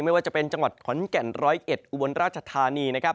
ไม่ว่าจะเป็นจังหวัดขอนแก่น๑๐๑อุบลราชธานี